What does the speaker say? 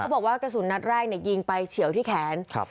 บอกว่ากระสุนนัดแรกเนี่ยยิงไปเฉียวที่แขนครับ